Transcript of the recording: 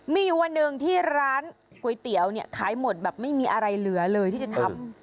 มีอยู่วันหนึ่งที่ร้านก๋วยเตี๋ยวเนี่ยขายหมดแบบไม่มีอะไรเหลือเลยที่จะทำ